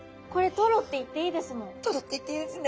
トロって言っていいですね。